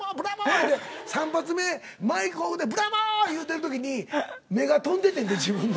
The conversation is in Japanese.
言うて３発目マイクオフで「ブラボー！」言うてる時に目が飛んでてんて自分の。